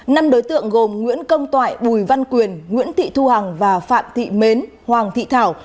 năm đối tượng gồm nguyễn công toại bùi văn quyền nguyễn thị thu hằng và phạm thị mến hoàng thị thảo